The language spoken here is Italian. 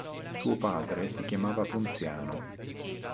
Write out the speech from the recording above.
Suo padre si chiamava Ponziano.